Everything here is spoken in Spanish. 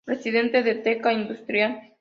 Presidente de Teka Industrial.